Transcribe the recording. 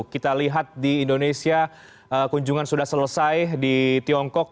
kita lihat di indonesia kunjungan sudah selesai di tiongkok